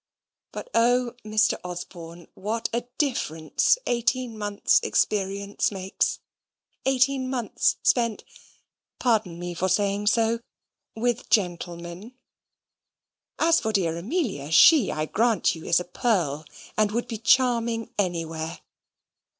But oh, Mr. Osborne, what a difference eighteen months' experience makes! eighteen months spent, pardon me for saying so, with gentlemen. As for dear Amelia, she, I grant you, is a pearl, and would be charming anywhere.